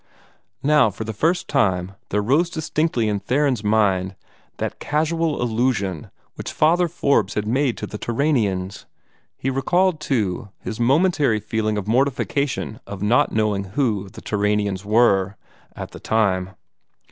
Now for the first time there rose distinctly in Theron's mind that casual allusion which Father Forbes had made to the Turanians. He recalled, too, his momentary feeling of mortification at not knowing who the Turanians were, at the time.